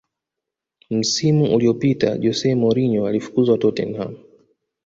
msimu uliopita jose mourinho alifukuzwa tottenham